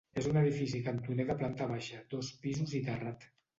És un edifici cantoner de planta baixa, dos pisos i terrat.